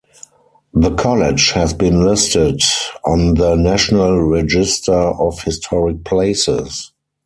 The college has been listed on the National Register of Historic Places.